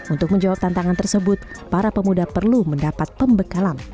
untuk menjawab tantangan tersebut para pemuda perlu mendapat pembekalan